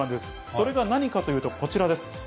それが何かというと、こちらです。